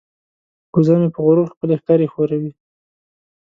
وزه مې په غرور خپلې ښکرې ښوروي.